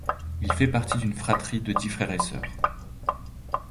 Il fait partie d'une fratrie de dix frères et sœurs.